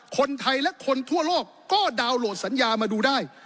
คนไทยและคนทั่วโลกก็ดาวน์โหลดสัญญามาดูได้